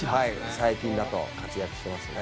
最近だと活躍してますね。